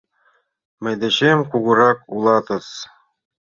Мый дечем кугурак улатыс.